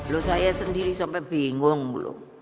loh saya sendiri sampai bingung belum